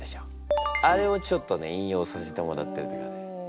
あれをちょっとね引用させてもらったりとかね。